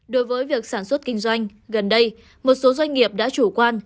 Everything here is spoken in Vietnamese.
đối với việc sản xuất kinh doanh gần đây một số doanh nghiệp đã chủ quan